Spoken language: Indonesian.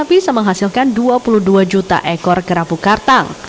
bisa menghasilkan dua puluh dua juta ekor kerapu kartang